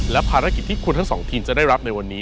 และภารกิจที่คุณทั้งสองทีมจะได้รับในวันนี้